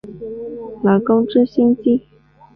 劳工之薪资